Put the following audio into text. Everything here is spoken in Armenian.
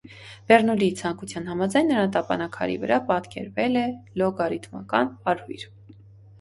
Բեռնուլիի ցանկության համաձայն նրա տապանաքարի վրա պատկերվել է լոգարիթմական պարույր։